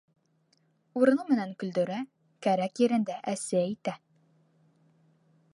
Урыны менән көлдөрә, кәрәк ерендә әсе әйтә.